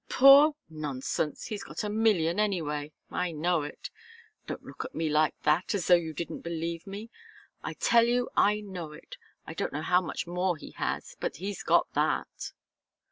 "Poor! Nonsense! He's got a million, anyway. I know it. Don't look at me like that as though you didn't believe me. I tell you, I know it. I don't know how much more he has, but he's got that."